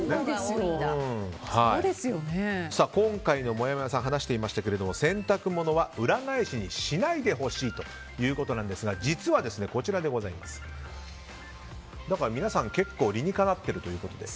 今回のもやもやさんは洗濯物は裏返しにしないでほしいということなんですが実は、皆さん、結構理にかなっているということで